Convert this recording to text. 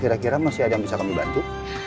kira kira masih ada yang bisa kami bantu